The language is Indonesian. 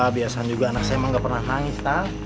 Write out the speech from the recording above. biasanya juga anak saya gak pernah nangis